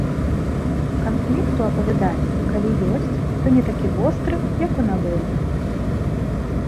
Канфлікт у апавяданні, калі ёсць, то не такі востры, як у навеле.